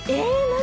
何？